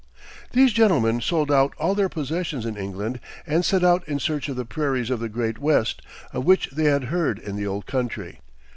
These gentlemen sold out all their possessions in England, and set out in search of the prairies of the Great West, of which they had heard in the old country.